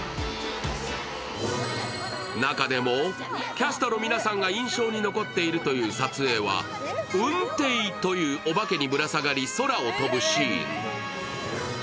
中でもキャストの皆さんが印象に残っているという撮影は、雲梯というおばけにぶらさがり空を飛ぶシーン。